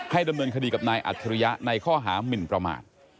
ดำเนินคดีกับนายอัจฉริยะในข้อหามินประมาท